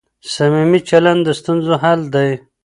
صمیمي چلند د ستونزو حل دی.